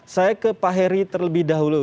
saya ke pak heri terlebih dahulu